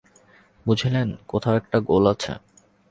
বুঝলেন, কোথাও একটা গোল আছে।